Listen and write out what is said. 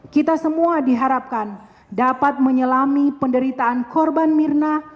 kita semua diharapkan dapat menyelami penderitaan korban mirna